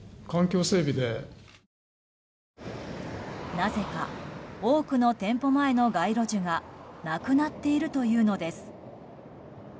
なぜか多くの店舗前の街路樹がなくなっているというのです。